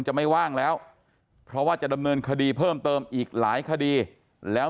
จะไม่ว่างแล้วเพราะว่าจะดำเนินคดีเพิ่มเติมอีกหลายคดีแล้ว